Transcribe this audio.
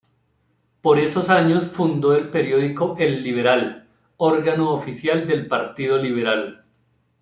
Por esos años fundó el periódico "El Liberal", órgano oficial del Partido Liberal.